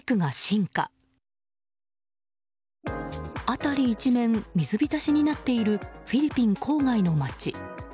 辺り一面水浸しになっているフィリピン郊外の街。